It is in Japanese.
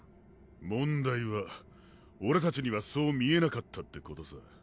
問題は俺達にはそう見えなかったってことさ！